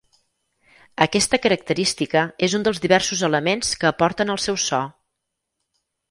Aquesta característica és un dels diversos elements que aporten al seu so.